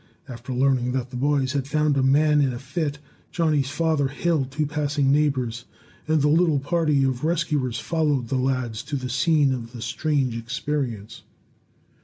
After learning that the boys had found a man in a fit, Johnny's father hailed two passing neighbors, and the little party of rescuers followed the lads to the scene of the strange experience.